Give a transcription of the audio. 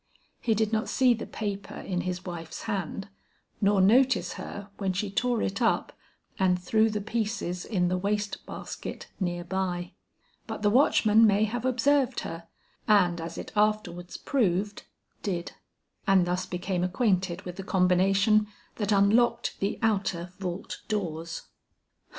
He did not see the paper in his wife's hand, nor notice her when she tore it up and threw the pieces in the waste basket near by, but the watchman may have observed her, and as it afterwards proved, did; and thus became acquainted with the combination that unlocked the outer vault doors."